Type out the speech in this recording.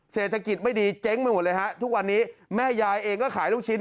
เศรษฐกิจไม่ดีเจ๊งไปหมดเลยฮะทุกวันนี้แม่ยายเองก็ขายลูกชิ้น